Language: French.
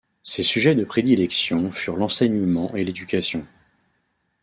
Ses sujets de prédilection furent l'enseignement et d'éducation.